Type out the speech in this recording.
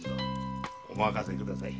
おまかせください。